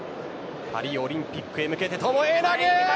パリオリンピックへ向けて巴投。